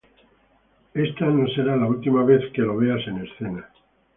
Esta no será la última vez que lo veas en escena.